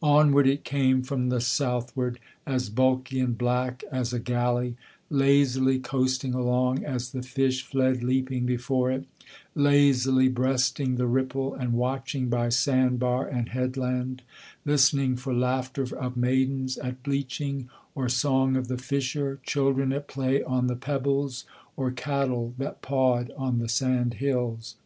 Onward it came from the southward, as bulky and black as a galley, Lazily coasting along, as the fish fled leaping before it; Lazily breasting the ripple, and watching by sandbar and headland, Listening for laughter of maidens at bleaching, or song of the fisher, Children at play on the pebbles, or cattle that pawed on the sand hills.